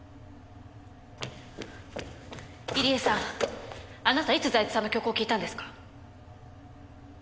入江さんあなたいつ財津さんの曲を聴いたんですか？